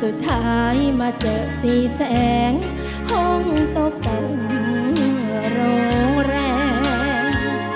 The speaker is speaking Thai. สุดท้ายมาเจอสี่แสงห้องตกต่ำโรงแรม